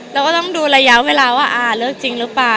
เราก็ต้องดูระยะเวลาว่าเลิกจริงหรือเปล่า